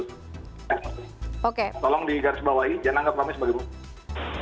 tolong digarisbawahi jangan anggap kami sebagai bukti